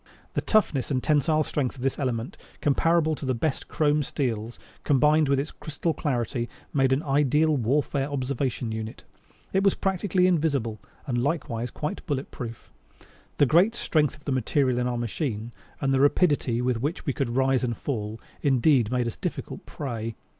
The toughness and tensile strength of this element, comparable to the best chrome steels, combined with its crystal clarity, made an ideal warfare observation unit. It was practically invisible and likewise quite bullet proof. The great strength of the material in our machine, and the rapidity with which we could rise and fall, indeed made us difficult prey.